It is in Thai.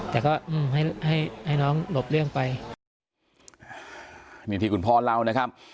แต่ก็ให้ให้น้องหลบเรื่องไปนี่ที่คุณพ่อเล่านะครับ